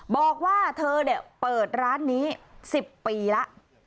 บอกว่าเธอเปิดร้านนี้๑๐ปีแล้ว